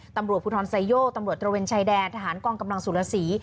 ตำรวจภูทรไซโยกตำรวจตระเวนชายแดนทหารกองกำลังสุรสี